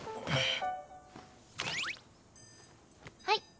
はい。